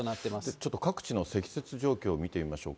ちょっと各地の積雪状況を見てみましょうか。